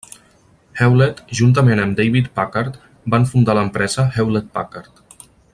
Hewlett, juntament amb David Packard van fundar l'empresa Hewlett-Packard.